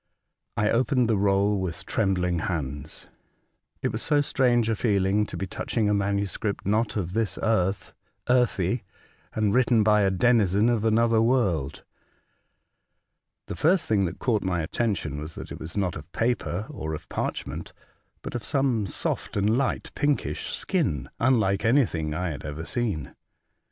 I opened the roll with trembling hands. It was so strange a feeling to be touch ing a manuscript, not of this earth, earthy, and written by a denizen of another world. The first thing that caught my attention was that it was not of paper or of parch ment, but of some soft and light pinkish skin, unlike anything that I had ever seen.